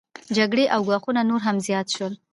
جګړې او ګواښونه نور هم زیات شول